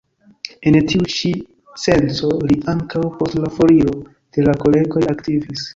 En tiu ĉi senco li ankaŭ post la foriro de la kolegoj aktivis.